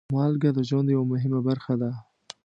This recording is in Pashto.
مالګه د ژوند یوه مهمه برخه ده.